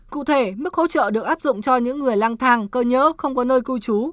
cụ thể mức hỗ trợ được áp dụng cho những người lang thang cơ nhỡ không có nơi cư trú